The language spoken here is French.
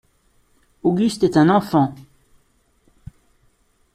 Auguste est un enfant…